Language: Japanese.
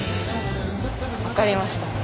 分かりました。